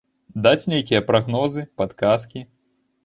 Даць нейкія прагнозы, падказкі?